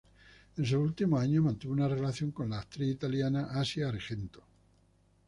En sus últimos años mantuvo una relación con la actriz italiana Asia Argento.